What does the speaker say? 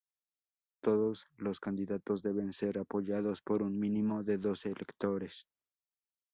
Todos los candidatos deben ser apoyados por un mínimo de doce electores.